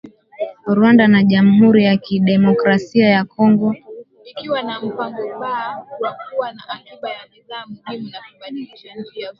Rwanda na Jamhuri ya kidemokrasia ya Kongo zilishirikiana katika operesheni ya kijeshi miaka miwili iliyopita katika kukabiliana na makundi ya waasi nchini Kongo.